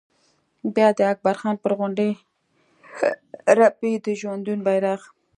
بیا د اکبر خان پر غونډۍ رپي د ژوندون بيرغ